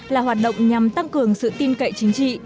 là hoạt động nhằm tăng cường sự tin cậy chính trị